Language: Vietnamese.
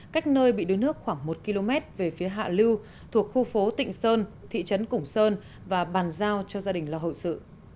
cách nơi bị đuối nước khoảng một km về phía hạ lưu thuộc khu phố tịnh sơn thị trấn củng sơn và bàn giao cho gia đình lo hậu sự